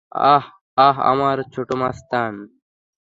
আহ, আমার ছোট মাস্তান।